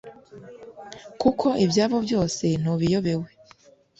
kuko ibyabo byose ntubiyobewe